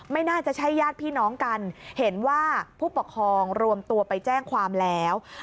ไม่น่าจะใช่ญาติพี่น้องกันเห็นว่าผู้ปกครองรวมตัวไปแจ้งความแล้ว